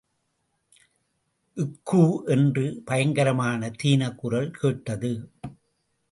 க்கூ என்று பயங்கரமான தீனக் குரல் கேட்டது.